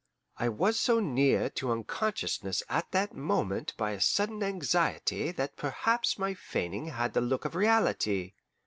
I was so near to unconsciousness at that moment by a sudden anxiety that perhaps my feigning had the look of reality.